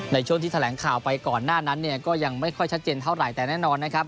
ในช่วงที่แถลงข่าวไปก่อนหน้านั้นเนี่ยก็ยังไม่ค่อยชัดเจนเท่าไหร่แต่แน่นอนนะครับ